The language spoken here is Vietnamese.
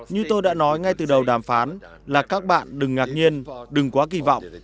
như tôi đã nói ngay từ đầu đàm phán là các bạn đừng ngạc nhiên đừng quá kỳ vọng